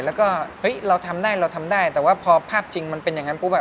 แล้วก็เฮ้ยเราทำได้เราทำได้แต่ว่าพอภาพจริงมันเป็นอย่างนั้นปุ๊บอ่ะ